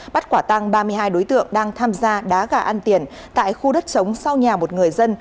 bắt quả tăng ba mươi hai đối tượng đang tham gia đá gà ăn tiền tại khu đất chống sau nhà một người dân